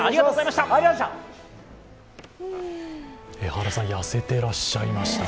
エハラさん、痩せていらっしゃいました。